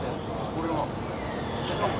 これは？